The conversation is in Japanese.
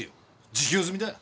自供済みだ！